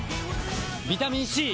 ビタミン Ｃ！